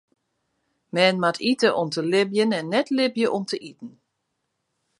Men moat ite om te libjen en net libje om te iten.